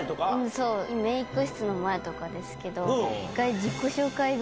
そうメイク室の前ですけど。